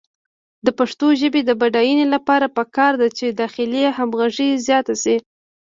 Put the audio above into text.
د پښتو ژبې د بډاینې لپاره پکار ده چې داخلي همغږي زیاته شي.